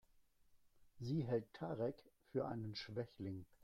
Sie hält Tarek für einen Schwächling.